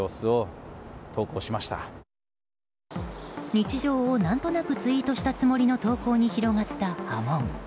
日常を何となくツイートしたつもりの投稿に広がった波紋。